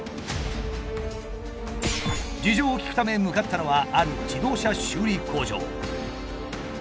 事情を聴くため向かったのはある自動車修理工場。